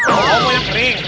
oh mau yang kering